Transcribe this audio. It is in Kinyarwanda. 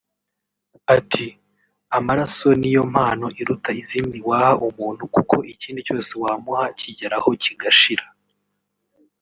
Ati “Amaraso ni yo mpano iruta izindi waha umuntu kuko ikindi cyose wamuha kigeraho kigashira